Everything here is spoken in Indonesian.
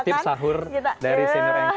kita intip sahur dari senior anchor sian indonesia